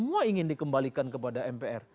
semua ingin dikembalikan kepada mpr